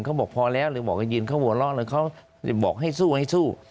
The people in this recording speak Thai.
เขาบอกพอแล้วหรือบอกกันยินเขาหัวเลาะหรือเขาบอกให้สู้ให้สู้